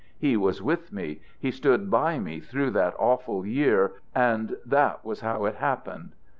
He was with me, he stood by me through that awful year and that was how it happened.